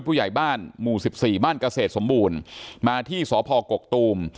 ผู้ใหญ่บ้านหมู่สิบสี่บ้านเกษตรสมบูรณ์มาที่สพกกตูม